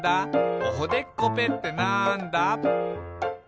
「おほでっこぺってなんだ？」